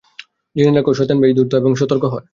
জেনে রাখো, শয়তান বেশ ধূর্ত এবং সতর্ক হয়।